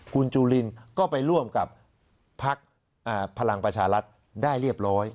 คุณจุลินก็ไปร่วมกับพักพลังประชารัฐได้เรียบร้อย